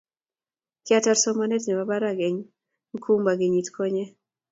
kiatar somanet nebo barak eng' Nkumba kenyit konye.